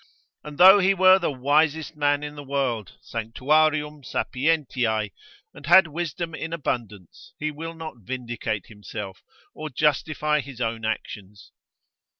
And though he were the wisest man in the world, sanctuarium sapientiae, and had wisdom in abundance, he will not vindicate himself, or justify his own actions.